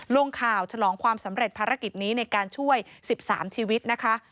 ลงข่าวฉลองความสำเร็จภารกิจนี้ในการช่วย๑๓ชีวิตนะคะ